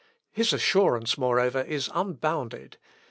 His assurance, moreover, is unbounded.